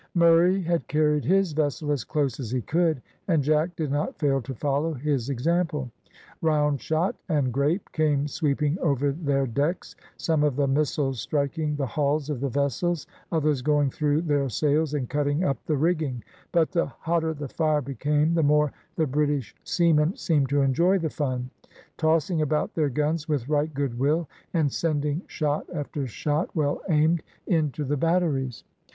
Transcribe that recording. Murray had carried his vessel as close as he could, and Jack did not fail to follow his example. Round shot and grape came sweeping over their decks, some of the missiles striking the hulls of the vessels, others going through their sails and cutting up the rigging; but the hotter the fire became, the more the British seamen seemed to enjoy the fun, tossing about their guns with right good will, and sending shot after shot, well aimed, into the batteries.